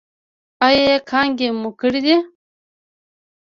ایا کانګې مو کړي دي؟